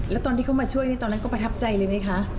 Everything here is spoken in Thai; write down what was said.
แล้วตอนที่เขามาช่วยนี่ตอนนั้นก็ประทับใจเลยไหมคะ